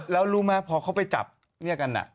แล้วรู้มั้ยพอเขาไปจับเนี่ยกันน่ะ